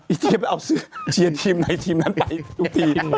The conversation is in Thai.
เจ๊ไปเอาเสื้อเชียร์ทีมไหนทีมนั้นไปทุกทีม